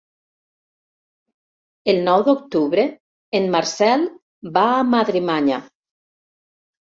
El nou d'octubre en Marcel va a Madremanya.